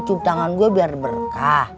cup tangan gue biar berkah